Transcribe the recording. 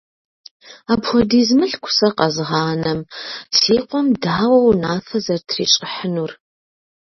Апхуэдиз мылъку сэ къэзгъанэм си къуэм дауэ унафэ зэрытрищӀыхьынур?